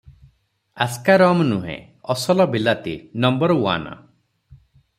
Aska rum ନୁହେଁ, ଅସଲ ବିଲାତୀ, ନମ୍ବର ଉଆନ୍!